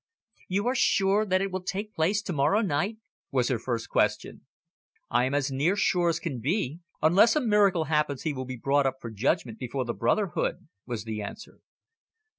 "You are sure that it will take place to morrow night?" was her first question. "I am as near sure as can be. Unless a miracle happens he will be brought up for judgment before the brotherhood," was the answer.